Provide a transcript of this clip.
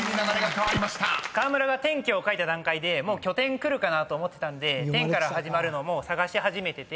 河村が「典拠」を書いた段階で「拠点」くるかなと思ってたんで「点」から始まるのをもう探し始めてて。